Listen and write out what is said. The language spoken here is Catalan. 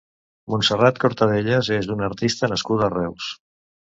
Montserrat Cortadellas és una artista nascuda a Reus.